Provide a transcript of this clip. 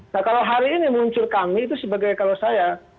nah kalau hari ini muncul kami itu sebagai kalau saya